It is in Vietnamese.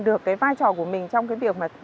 được vai trò của mình trong việc